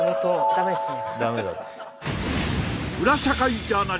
「ダメですね」